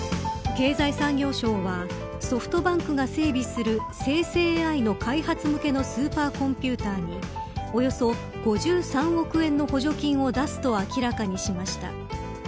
経済産業省はソフトバンクが整備する生成ＡＩの開発向けのスーパーコンピューターにおよそ５３億円の補助金を出すと明らかにしました。